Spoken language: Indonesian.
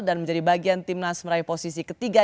dan menjadi bagian timnas meraih posisi ketiga